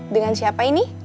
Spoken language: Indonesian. dengan siapa ini